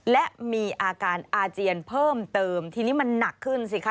และมีอาการอาเจียนเพิ่มเติมทีนี้มันหนักขึ้นสิคะ